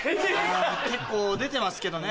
結構出てますけどね。